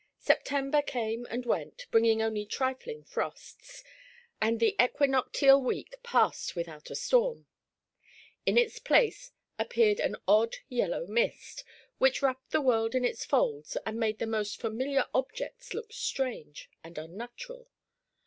September came and went, bringing only trifling frosts, and the equinoctial week passed without a storm. In its place appeared an odd yellow mist, which wrapped the world in its folds and made the most familiar objects look strange and unnatural.